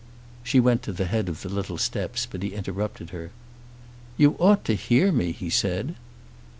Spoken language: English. She went to the head of the little steps but he interrupted her. "You ought to hear me," he said.